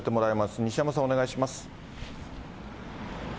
西山さん、お願いします。